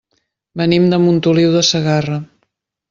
Venim de Montoliu de Segarra.